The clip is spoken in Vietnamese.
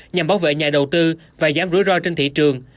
nhằm bảo vệ nhà đầu tư và giảm rủi ro trên thị trường